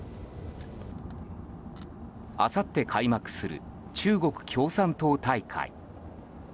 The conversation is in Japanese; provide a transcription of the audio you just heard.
あさって開幕する中国共産党大会。